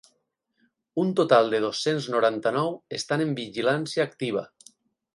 Un total de dos-cents noranta-nou estan en vigilància activa.